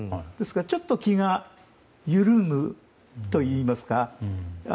ちょっと気が緩むといいますか。